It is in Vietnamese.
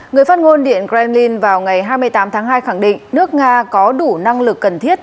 người phát ngôn điện kremlin vào ngày hai mươi tám tháng hai khẳng định nước nga có đủ năng lực cần thiết